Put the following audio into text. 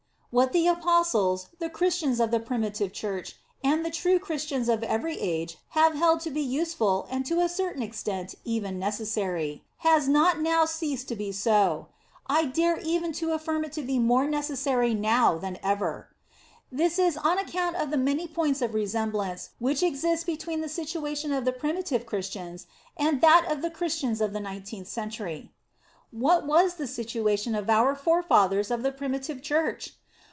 What the apostles, the Chris tians of the primitive Church, and the true Christians of every age have held to be use ful, and to a certain extent, even necessary, 58 The Sign of the Cross has not now ceased to be so. I dare even affirm it to be more necessary now than ever. This is on account of the many points of resemblance which exist between the situa tion of the primitive Christians, and that of the Christians of the nineteenth century. What was the situation of our forefathers of the primitive Church?